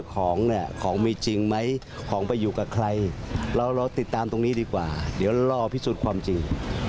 ของไปอยู่กับใครเราติดตามตรงนี้ดีกว่าเดี๋ยวเราล่อพิสูจน์ความจริง